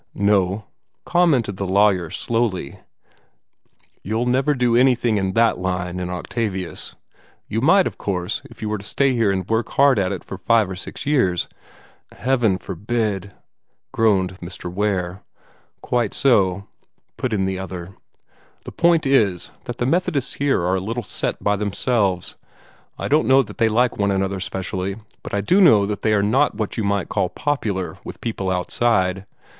"No," commented the lawyer, slowly; "you'll never do anything in that line in Octavius. You might, of course, if you were to stay here and work hard at it for five or six years " "Heaven forbid!" groaned Mr. Ware. "Quite so," put in the other. "The point is that the Methodists here are a little set by themselves. I don't know that they like one another specially, but I do know that they are not what you might call popular with people outside.